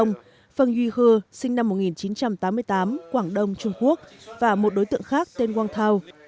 trần rân siên trịnh nhân hiền phần duy hưa và một đối tượng khác tên quang thao